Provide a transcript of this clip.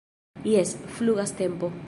Jes, flugas tempo